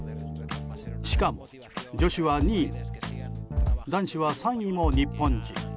しかも女子は２位も男子は３位も日本人。